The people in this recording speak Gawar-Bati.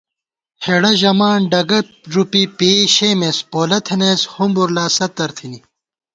ہېڑہ ژَمان ڈگہ ݫُپی پېئی شېمېس پولہ تھنَئیس ہُمبر لا ستّر تھنی